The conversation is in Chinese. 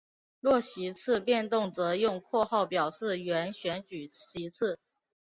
若席次变动则用括号表示原选举席次。